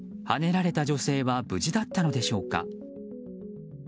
はねられた女性は無事だったのでしょうか。